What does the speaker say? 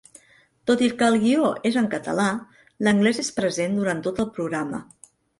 Tot i que el guió és en català, l'anglès és present durant tot el programa.